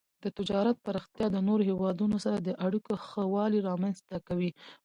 د تجارت پراختیا د نورو هیوادونو سره د اړیکو ښه والی رامنځته کوي.